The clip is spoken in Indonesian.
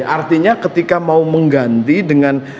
artinya ketika mau mengganti dengan